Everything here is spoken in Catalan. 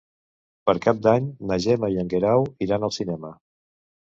Per Cap d'Any na Gemma i en Guerau iran al cinema.